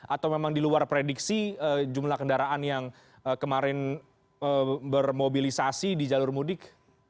atau memang diluar prediksi jumlah kendaraan yang kemarin bermobilisasi di jalur mudik